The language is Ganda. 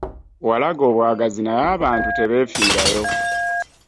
Walaga obwagazi naye abantu tebeefiirayo.